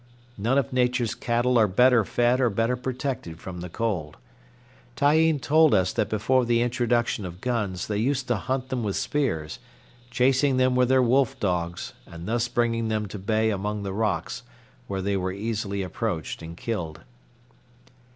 None of nature's cattle are better fed or better protected from the cold. Tyeen told us that before the introduction of guns they used to hunt them with spears, chasing them with their wolf dogs, and thus bringing them to bay among the rocks, where they were easily approached and killed.